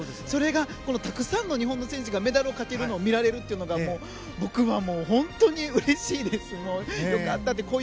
それがこのたくさんの日本の選手がメダルをかけるのを見られるのが僕は本当にうれしいです。